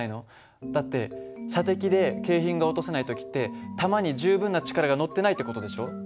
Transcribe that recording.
だって射的で景品が落とせない時って弾に十分な力が乗ってないって事でしょ？